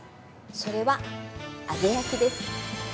それは、揚げ焼きです。